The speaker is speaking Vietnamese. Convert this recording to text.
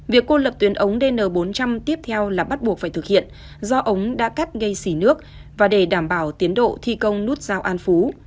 việc cô lập tuyến ống dn bốn trăm linh tiếp theo là bắt buộc phải thực hiện do ống đã cắt gây xỉ nước và để đảm bảo tiến độ thi công nút giao an phú